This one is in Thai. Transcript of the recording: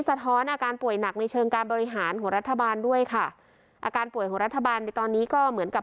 สะท้อนอาการป่วยหนักในเชิงการบริหารของรัฐบาลด้วยค่ะอาการป่วยของรัฐบาลในตอนนี้ก็เหมือนกับ